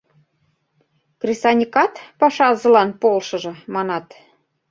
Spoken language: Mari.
Кресаньыкат пашазылан полшыжо, манат.